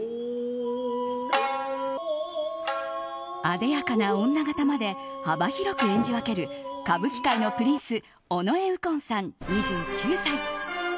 あでやかな女形まで幅広く演じ分ける歌舞伎界のプリンス尾上右近さん、２９歳。